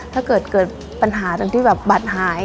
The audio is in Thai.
ถ้าเกิดเกิดปัญหาตรงที่แบบบัตรหาย